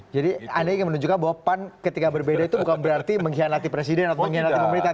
jadi anda ingin menunjukkan bahwa pan ketika berbeda itu bukan berarti mengkhianati presiden atau mengkhianati pemerintah